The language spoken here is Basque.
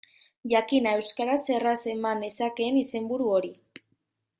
Jakina, euskaraz erraz eman nezakeen izenburu hori.